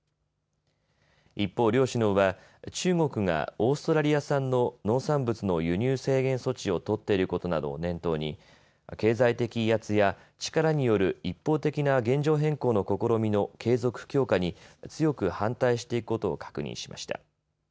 一方、両首脳は中国がオーストラリア産の農産物の輸入制限措置を取っていることなどを念頭に経済的威圧や力による一方的な現状変更の試みの継続・強化に強く反対していくことを確認しました。